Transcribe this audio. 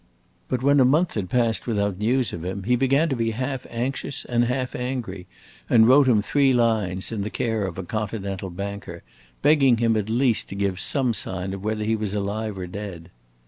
But when a month had passed without news of him, he began to be half anxious and half angry, and wrote him three lines, in the care of a Continental banker, begging him at least to give some sign of whether he was alive or dead.